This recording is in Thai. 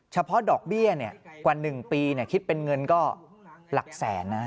เฉพาะดอกเบี้ยกว่า๑ปีคิดเป็นเงินก็หลักแสนนะ